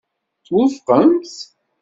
Twufqemt.